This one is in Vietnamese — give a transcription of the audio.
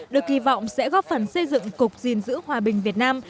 được kỳ vọng sẽ góp phần xây dựng cục gìn giữ hòa bình việt nam